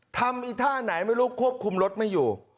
อีท่าไหนไม่รู้ควบคุมรถไม่อยู่